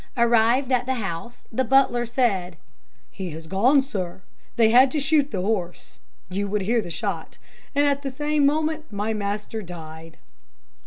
Arrived at the house the butler said: "'"He has gone, sir; they had to shoot the horse you would hear the shot and at the same moment my master died."